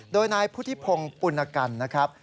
โดยนายพุทธิพงศ์ปุณกันนะครับ